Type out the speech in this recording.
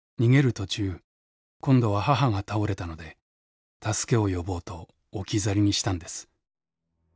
途中今度は母が倒れたので助けを呼ぼうと置き去りにしたんです。